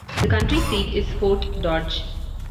The county seat is Fort Dodge.